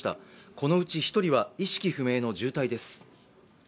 このうち１人は意識不明の重体です。